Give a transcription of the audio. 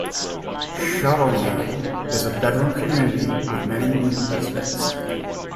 Chavornay is a bedroom community with many new residents.